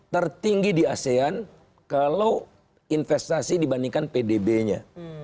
tertinggi di asean kalau investasi dibandingkan pdb nya